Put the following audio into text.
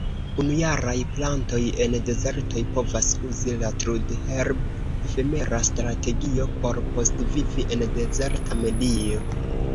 Unujaraj plantoj en dezertoj povas uzi la trudherb-efemera strategio por postvivi en dezerta medio.